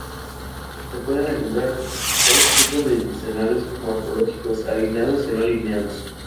Se pueden encontrar dos tipos de diccionarios morfológicos: alineados y no alineados.